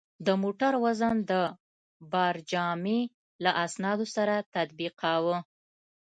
د موټر وزن د بارجامې له اسنادو سره تطبیقاوه.